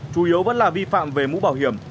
chủ yếu vẫn là vi phạm về mũ bảo hiểm